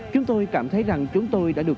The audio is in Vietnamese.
chúng tôi cảm thấy rằng chúng tôi đã được